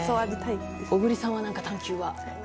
小栗さんは何か、探求は？